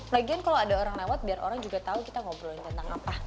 lagian kalau ada orang lewat biar orang juga tahu kita ngobrolin tentang apa